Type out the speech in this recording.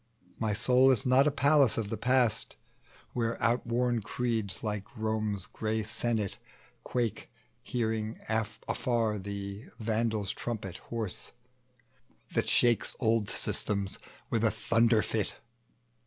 My soul is not a palace of the past, Where outworn creeds, like Rome's gray senate quake, Hearing afar the Vandal's trumpet hoarse, That shakes old systems with a thunder fit.